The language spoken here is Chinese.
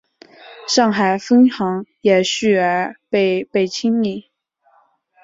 上海分行也继而被被清理。